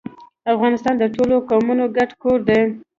افغانستان د ټولو قومونو ګډ کور دی.